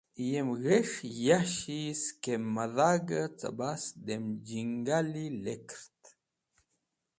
Yem g̃hes̃h yashi skem mẽdhag-e cẽbas adem jangali lekdert.